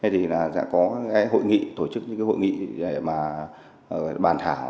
thì sẽ có hội nghị tổ chức những hội nghị bàn thảo